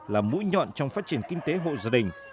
là mũi nhọn trong phát triển kinh tế hộ gia đình